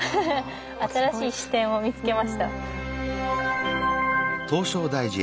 新しい視点を見つけました。